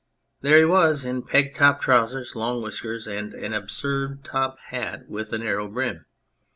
There he was, in peg top trousers, long whiskers, and an absurd top hat with a narrow brim.